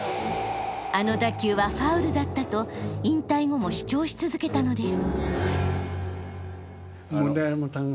「あの打球はファウルだった」と引退後も主張し続けたのです。